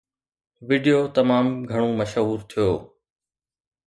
video تمام گهڻو مشهور ٿيو